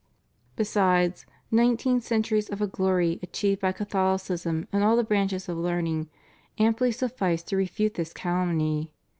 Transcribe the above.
Besides, nineteen centuries of a glory achieved by Ca tholicism in all the branches of learning amply suffice to refute this calumny.